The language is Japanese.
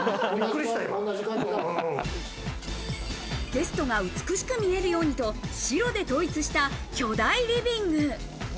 ゲストが美しく見えるようにと、白で統一した巨大リビング。